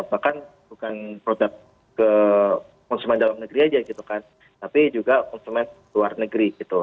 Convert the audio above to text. bahkan bukan produk ke konsumen dalam negeri aja gitu kan tapi juga konsumen luar negeri gitu